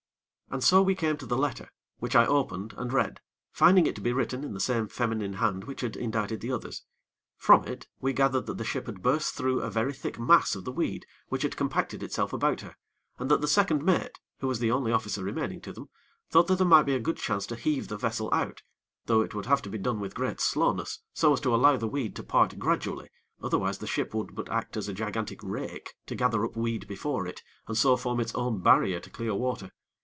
And so we came to the letter, which I opened and read, finding it to be written in the same feminine hand which had indited the others. From it we gathered that the ship had burst through a very thick mass of the weed which had compacted itself about her, and that the second mate, who was the only officer remaining to them, thought there might be good chance to heave the vessel out; though it would have to be done with great slowness, so as to allow the weed to part gradually, otherwise the ship would but act as a gigantic rake to gather up weed before it, and so form its own barrier to clear water.